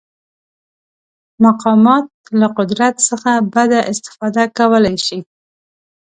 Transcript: مقامات له قدرت څخه بده استفاده کولی شي.